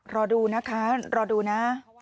รอดูนะคะรอดูนะ